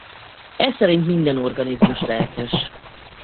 E szerint minden organizmus lelkes.